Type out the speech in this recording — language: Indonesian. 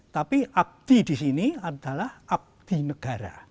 tapi akti di sini adalah abdi negara